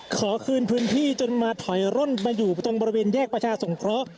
ขอคืนพื้นที่จนมาถอยร่นมาอยู่ตรงบริเวณแยกประชาสงเคราะห์